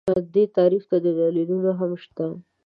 دې تعریف ته دلیلونه هم شته